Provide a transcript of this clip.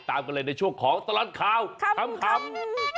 ตามกันเลยในช่วงของตลอดข่าวขำ